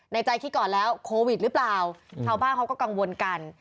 ใจคิดก่อนแล้วโควิดหรือเปล่าชาวบ้านเขาก็กังวลกัน